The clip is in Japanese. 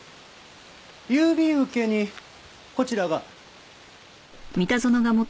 郵便受けにこちらが。